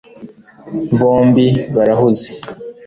bombi barahuze